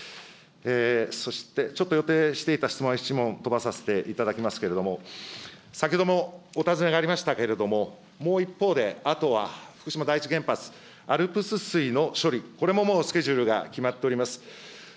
そして、ちょっと予定していた質問、１問飛ばさせていただきますけれども、先ほどもお尋ねがありましたけれども、もう一方で、あとは福島第一原発、ＡＬＰＳ水の処理、これももうスケジュールが決まっております。